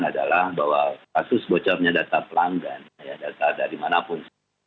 adalah bahwa kasus bocornya data pelanggan data dari manapun